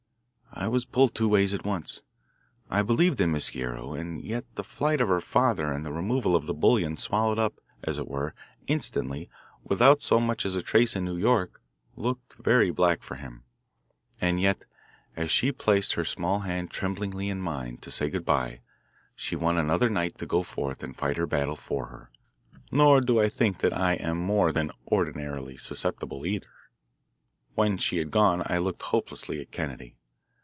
I was pulled two ways at once. I believed in Miss Guerrero, and yet the flight of her father and the removal of the bullion swallowed up, as it were, instantly, without so much as a trace in New York looked very black for him. And yet, as she placed her small hand tremblingly in mine to say good bye, she won another knight to go forth and fight her battle for her, nor do I think that I am more than ordinarily susceptible, either. When she had gone, I looked hopelessly at Kennedy.